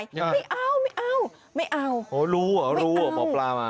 ไม่เอาไม่เอาไม่เอาโหรู้เหรอรู้เหรอหมอปลามา